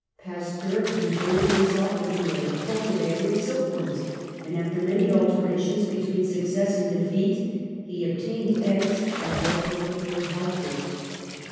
Pasteur converted himself into a cultivator of silk worms, and, after many alternations be tween success and defeat, he obtained eggs that were perfectly healthy.